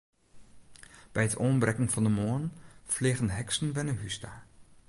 By it oanbrekken fan de moarn fleagen de heksen wer nei hús ta.